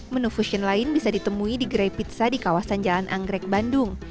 menu fusion lain bisa ditemui di gerai pizza di kawasan jalan anggrek bandung